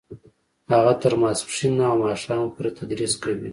هغه تر ماسپښینه او ماښامه پورې تدریس کوي